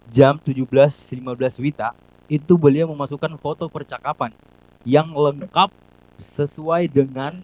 jam tujuh belas lima belas wita itu beliau memasukkan foto percakapan yang lengkap sesuai dengan